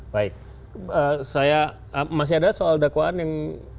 baik saya masih ada soal dakwaan yang